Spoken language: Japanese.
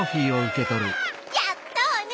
やったわね。